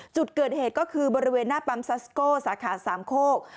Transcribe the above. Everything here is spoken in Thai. จุดเกิดเหตุก็คือบริเวณหน้าปั๊มซัสโก้สาขาสามโคก